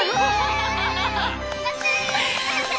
やった！